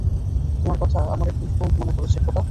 তোমার কথা আমার এতদিন খুব মনে পড়েছে, খোকা।